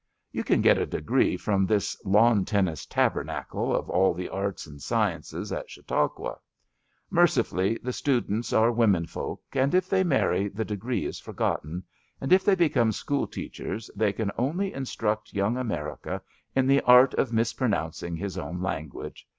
You can get a degree from this Lawn Ten nis Tabernacle of all the arts and sciences at 178 ABAFT THE FUNNEL Chantanqna* Mercifully the students are wamen folk, and if ttey marry the degree is forgotten, and if they become school teachers they can only instruct young America in the art of mispronounc ing his own language.